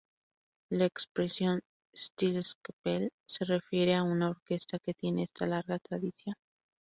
La expresión "Staatskapelle" se refiere a una orquesta que tiene esta larga tradición.